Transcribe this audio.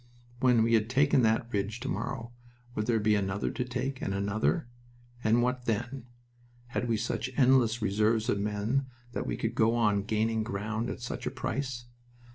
When we had taken that ridge to morrow there would be another to take, and another. And what then? Had we such endless reserves of men that we could go on gaining ground at such a price?